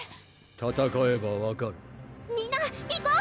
戦えば分かるみんないこう！